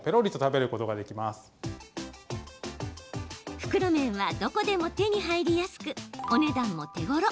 袋麺はどこでも手に入りやすくお値段も手ごろ。